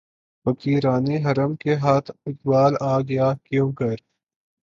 فقیران حرم کے ہاتھ اقبالؔ آ گیا کیونکر